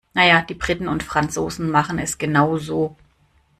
Na ja, die Briten und Franzosen machen es genau so.